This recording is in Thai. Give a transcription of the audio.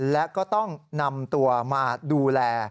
และก็ต้องนำตัวมาดูแล